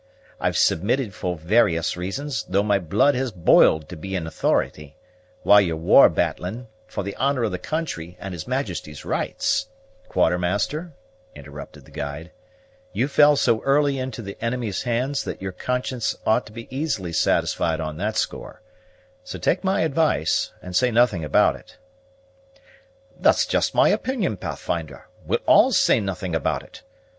I've submitted for various reasons, though my blood has boiled to be in authority, while ye war' battling, for the honor of the country and his Majesty's rights " "Quartermaster," interrupted the guide, "you fell so early into the enemy's hands that your conscience ought to be easily satisfied on that score; so take my advice, and say nothing about it." "That's just my opinion, Pathfinder; we'll all say nothing about it.